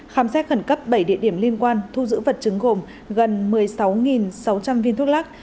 khám xét khẩn cấp bảy địa điểm liên quan thu giữ vật chứng gồm gần một mươi sáu sáu trăm linh viên thuốc lắc